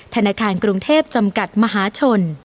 ธนาคารกรุงเทพจำกัดมหาชน